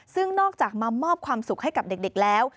ซึ่งนอกจากมามอบความสุขให้กับเด็กแล้ว